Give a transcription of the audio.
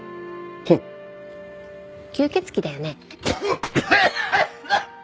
吸血鬼だよね？